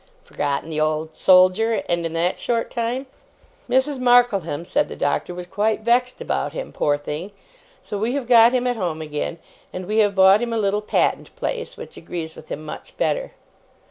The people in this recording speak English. Forgotten the Old Soldier! And in that short time! 'Mrs. Markleham,' said the Doctor, 'was quite vexed about him, poor thing; so we have got him at home again; and we have bought him a little Patent place, which agrees with him much better.